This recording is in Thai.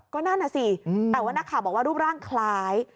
ก็นั่นน่ะสิแต่ว่านักข่าวบอกว่ารูปร่างคล้าย